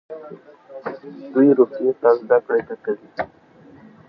دوی روسیې ته زده کړې ته تللي وو.